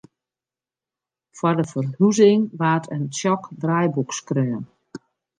Foar de ferhuzing waard in tsjok draaiboek skreaun.